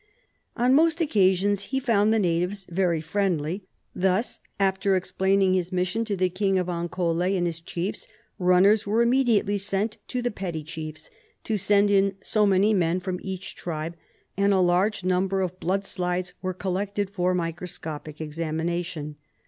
On most occasions he found the natives very friendly. Thus, after explaining his mission to the King of Ankole and his chiefs, runners were immediately sent to the petty chiefs to send in so many men from each tribe, and a large number of blood slides were collected for microscopic examination.